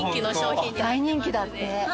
大人気だって。